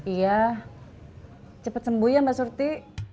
iya cepat sembuh ya mbak surti